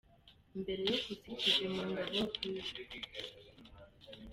Mbere yo kusa ikivi mu ngabo, Brig.